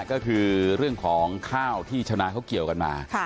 ก็คือเรื่องของข้าวที่ชาวนาเขาเกี่ยวกันมา